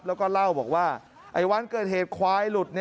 แล้วก็เล่าบอกว่าวันเกิดเหตุควายหลุด